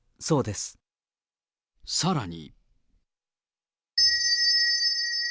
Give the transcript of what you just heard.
さらに。